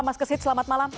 mas kesit selamat malam